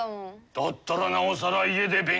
だったらなおさら家で勉強しなさい。